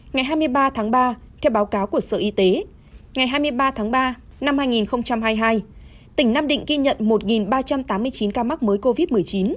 ngày hai mươi ba tháng ba theo báo cáo của sở y tế ngày hai mươi ba tháng ba năm hai nghìn hai mươi hai tỉnh nam định ghi nhận một ba trăm tám mươi chín ca mắc mới covid một mươi chín